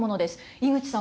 井口さん